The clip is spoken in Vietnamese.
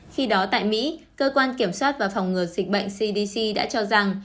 khi đó tại mỹ cơ quan kiểm soát và phòng ngừa dịch bệnh cdc đã cho rằng